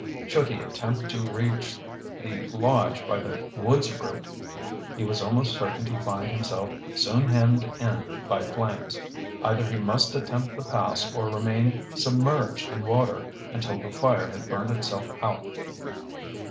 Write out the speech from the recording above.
Should he attempt to reach the lodge by the woods route, he was almost certain to find himself soon hemmed in by flames. Either he must attempt the pass or remain submerged in water until the fire had burned itself out.